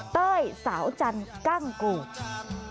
เต้ยสาวจันทร์กั้งกูด